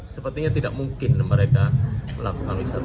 sepertinya tidak mungkin mereka melakukan misalnya